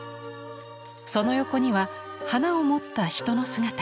その横には花を持った人の姿が。